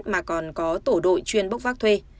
mà còn có tổ đội chuyên bốc vác thuê